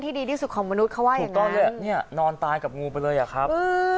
ดีที่สุดของมนุษย์เขาว่าอย่างถูกต้องเลยอ่ะเนี่ยนอนตายกับงูไปเลยอ่ะครับ